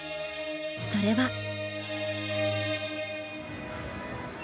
それは。